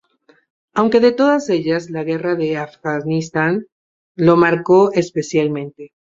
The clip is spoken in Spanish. Aunque de todas ellas, la guerra de Afganistán lo marcó especialmente.